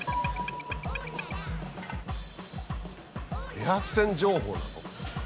理髪店情報なの？